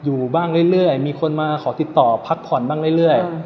อยู่บ้างเรื่อยมีคนมาขอติดต่อพักผ่อนบ้างเรื่อย